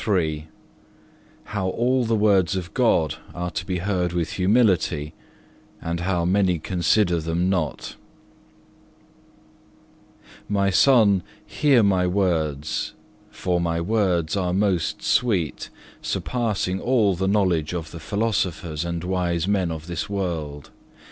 CHAPTER III How all the words of God are to be heard with humility, and how many consider them not "My Son, hear My words, for My words are most sweet, surpassing all the knowledge of the philosophers and wise men of this world.